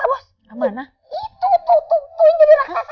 itu yang jadi raksasa